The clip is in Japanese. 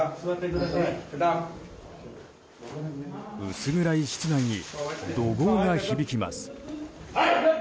薄暗い室内に怒号が響きます。